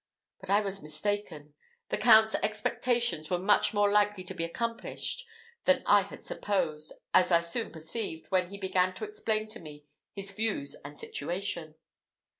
But I was mistaken: the Count's expectations were much more likely to be accomplished than I had supposed, as I soon perceived, when he began to explain to me his views and situation.